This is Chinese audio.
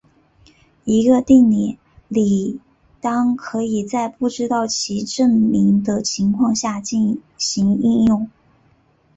一个定理应当可以在不知道其证明的情况下进行应用。